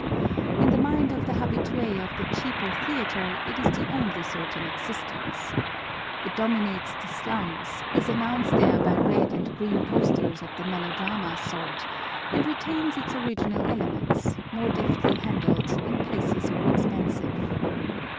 In the mind of the habitué of the cheaper theatre it is the only sort in existence. It dominates the slums, is announced there by red and green posters of the melodrama sort, and retains its original elements, more deftly handled, in places more expensive.